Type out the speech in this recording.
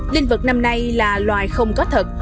linh vật năm nay là loài không có thật